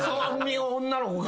女の子が。